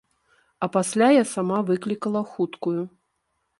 А пасля я сама выклікала хуткую.